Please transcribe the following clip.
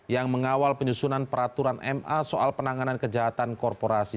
yang mengawal penyusunan peraturan ma soal penanganan kejahatan korporasi